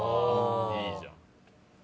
いいじゃん。